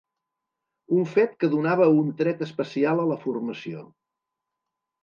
Un fet que donava un tret especial a la formació.